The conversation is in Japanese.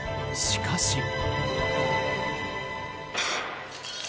しかし。